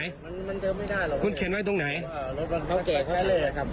มันมันเจอไม่ได้หรอกคุณเขียนไว้ตรงไหนอ่าต้องเก็บไว้เลยอ่ะ